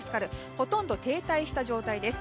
ほとんど停滞した状態です。